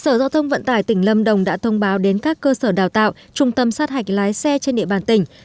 sở giao thông vận tải tỉnh lâm đồng đã thông báo đến các cơ sở đào tạo trung tâm sát hạch lái xe trên địa bàn tỉnh